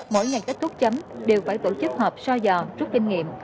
mỗi ngày kết thúc chấm đều phải tổ chức họp so dò rút kinh nghiệm